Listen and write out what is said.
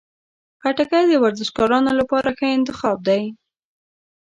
خټکی د ورزشکارانو لپاره ښه انتخاب دی.